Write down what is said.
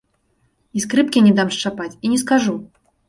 І скрыпкі не дам шчапаць, і не скажу!